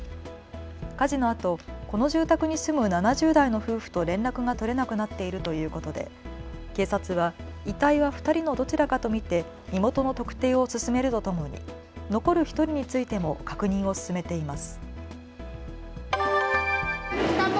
火事のあとこの住宅に住む７０代の夫婦と連絡が取れなくなっているということで警察は遺体は２人のどちらかと見て身元の特定を進めるとともに残る１人についても確認を進めています。